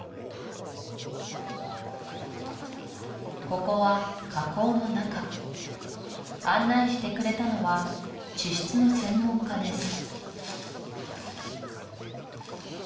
ここは火口の中案内してくれたのは地質の専門家です